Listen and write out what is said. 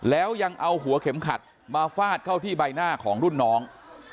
แล้วยังเอาหัวเข็มขัดมาฟาดเข้าที่ใบหน้าของรุ่นน้อง